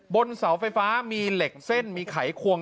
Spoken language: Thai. บนเสาไฟฟ้ามีเหล็กเส้นมีไขควง